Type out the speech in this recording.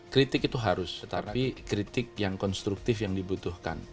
kritik itu harus tetapi kritik yang konstruktif yang dibutuhkan